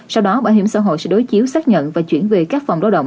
sau đó bảo hiểm xã hội sẽ đối chiếu xác nhận và chuyển về các phòng lao động